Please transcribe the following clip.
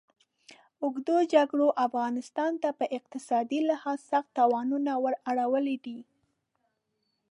اوږدو جګړو افغانستان ته په اقتصادي لحاظ سخت تاوانونه ور اړولي دي.